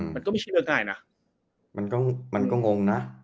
มันก็ไม่ใช่เรื่องง่ายเหนือก่อนนะ